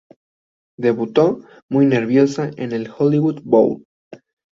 Debutó, muy nerviosa, en el Hollywood Bowl.